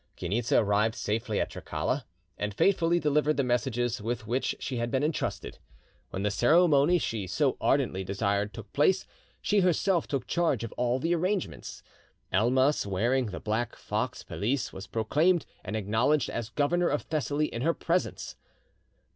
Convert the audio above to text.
Chainitza arrived safely at Trikala, and faithfully delivered the messages with which she had been entrusted. When the ceremony she so ardently desired took place, she herself took charge of all the arrangements. Elmas, wearing the black fox pelisse, was proclaimed, and acknowledged as Governor of Thessaly in her presence.